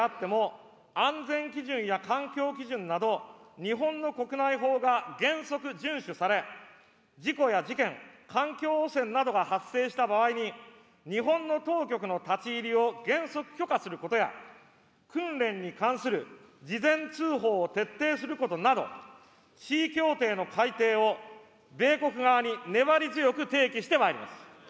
米軍基地内であっても、安全基準や環境基準など、日本の国内法が原則順守され、事故や事件、環境汚染などが発生した場合に、日本の当局の立ち入りを原則許可することや、訓練に関する事前通報を徹底することなど、地位協定の改定を米国側に粘り強く提起してまいります。